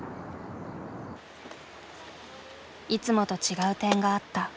いつもと違う点があった。